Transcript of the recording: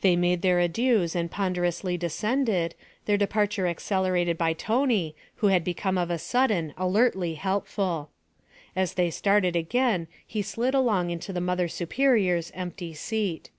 They made their adieus and ponderously descended, their departure accelerated by Tony who had become of a sudden alertly helpful. As they started again he slid along into the Mother Superior's empty seat.